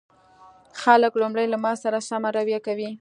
خلک لومړی له ما سره سمه رويه کوي